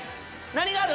何がある？